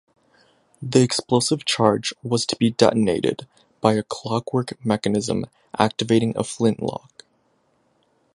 The explosive charge was to be detonated by a clockwork mechanism activating a flintlock.